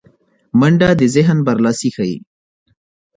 منډه د ذهن برلاسی ښيي